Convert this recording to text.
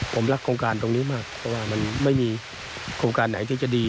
ผมรักโครงการตรงนี้มากเพราะว่ามันไม่มีโครงการไหนที่จะดี